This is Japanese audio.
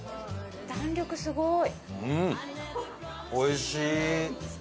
弾力すごい！